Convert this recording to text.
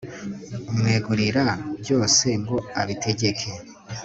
umwegurira byose ngo abitegeke